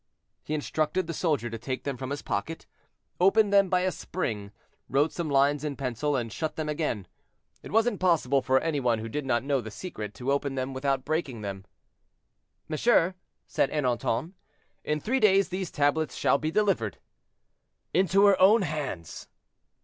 He instructed the soldier to take them from his pocket, opened them by a spring, wrote some lines in pencil, and shut them again. It was impossible for any one who did not know the secret to open them without breaking them. "Monsieur," said Ernanton, "in three days these tablets shall be delivered." "Into her own hands?"